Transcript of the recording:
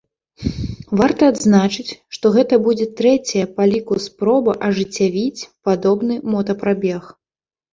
Варта адзначыць, што гэта будзе трэцяя па ліку спроба ажыццявіць падобны мотапрабег.